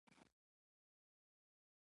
غول د درد علت ښکاره کوي.